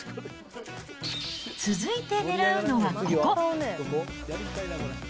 続いて狙うのはここ。